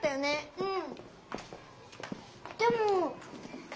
うん。